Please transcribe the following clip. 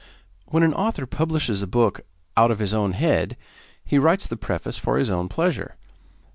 When an author publishes a book 'out of his own head,' he writes the preface for his own pleasure.